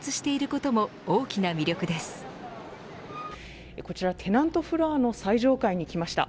こちらテナントフロアの最上階にきました。